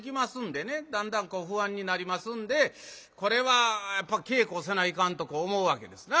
だんだんこう不安になりますんでこれはやっぱ稽古せないかんとこう思うわけですな。